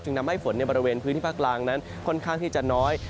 ทำให้ฝนในบริเวณพื้นที่ภาคล่างนั้นค่อนข้างที่จะน้อย